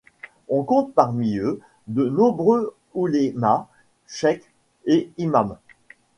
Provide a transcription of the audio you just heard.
On compte parmi eux de nombreux oulémas, cheikhs et imams.